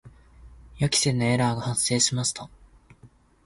予期せぬエラーが発生しました。